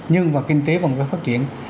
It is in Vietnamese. nhưng mà kinh tế vẫn phải phát triển